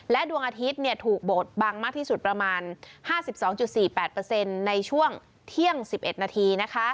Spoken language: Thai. ดวงอาทิตย์ถูกบดบังมากที่สุดประมาณ๕๒๔๘ในช่วงเที่ยง๑๑นาที